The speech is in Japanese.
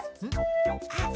あっ！